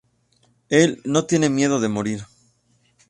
El "no tiene miedo de morir.